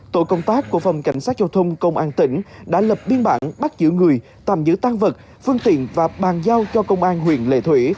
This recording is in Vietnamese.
tổ công tác của phòng cảnh sát giao thông công an tỉnh đã lập biên bản bắt giữ người tạm giữ tăng vật phương tiện và bàn giao cho công an huyện lệ thủy